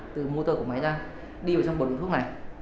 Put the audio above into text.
từ motor của máy ra đi vào trong bút thuốc này